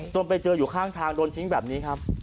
ไปเจออยู่ข้างทางโดนทิ้งแบบนี้ครับ